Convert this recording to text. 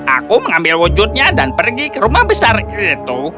aku mengambil wujudnya dan pergi ke rumah besar itu